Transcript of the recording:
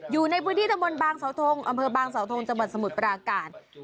อยู่ในพืชธรรมบางเสาทงอำเภอบางเสาทงจังหวัดสมุทรปราการ